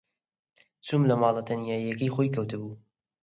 چووم لە ماڵە تەنیایییەکەی خۆی کەوتبوو.